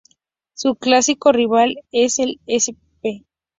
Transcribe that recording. Su clásico rival es el Sp.